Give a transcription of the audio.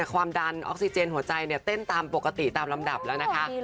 ความดันออกซิเจนหัวใจเต้นตามปกติตามลำดับแล้วนะคะ